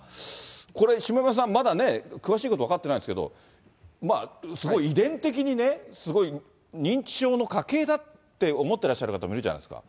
これ、下山さん、まだね、詳しいこと分かってないですけど、すごい遺伝的にね、すごい認知症の家系だって思ってらっしゃる方がいるじゃないですか。